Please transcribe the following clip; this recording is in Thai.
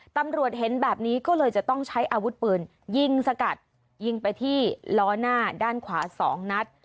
ตำรวจเห็นแบบนี้ก็เลยจะต้องใช้อาวุธปืนยิงสกัดยิงไปที่ล้อหน้าด้านขวา๒นัด